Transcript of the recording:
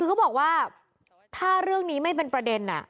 คือเขาบอกว่าถ้าเรื่องนี้ไม่เป็นประเด็น